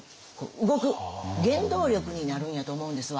動く原動力になるんやと思うんですわ。